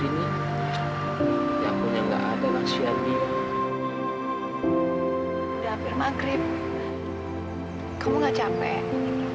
kalau buat cinta aku gak ada capai